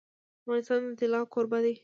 افغانستان د طلا کوربه دی.